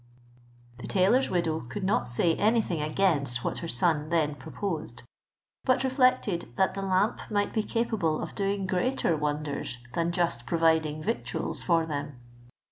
The tailor's widow could not say any thing against what her son then proposed; but reflected that the lamp might be capable of doing greater wonders than just providing victuals for them.